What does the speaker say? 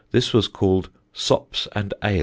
This was called Sops and Ale."